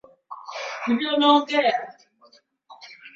mijadala inatakiwa kuwa na sauti sahihi sana